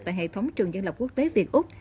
và hệ thống trường dân lập quốc tế việt úc